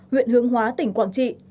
huyện hướng hóa tỉnh quảng trị